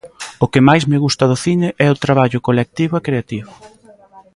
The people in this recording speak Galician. O que máis me gusta do cine é o traballo colectivo e creativo.